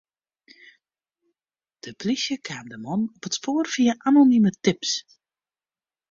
De plysje kaam de man op it spoar fia anonime tips.